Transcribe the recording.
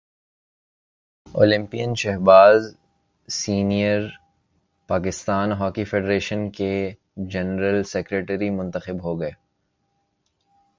Olympian Shahbaz senior Pakistan hockey federation کے general secretary منتخب ہو گئے